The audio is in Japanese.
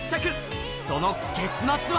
その結末は？